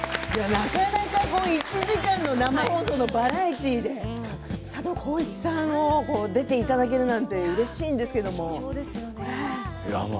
なかなか１時間の生放送のバラエティーに佐藤さんが出ていただけるなんてうれしいんですけど。